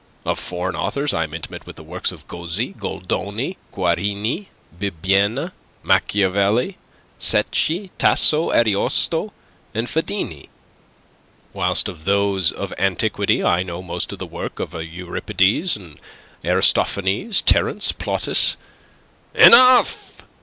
Of foreign authors, I am intimate with the works of Gozzi, Goldoni, Guarini, Bibbiena, Machiavelli, Secchi, Tasso, Ariosto, and Fedini. Whilst of those of antiquity I know most of the work of Euripides, Aristophanes, Terence, Plautus..." "Enough!"